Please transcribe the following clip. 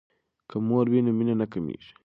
که مور وي نو مینه نه کمیږي.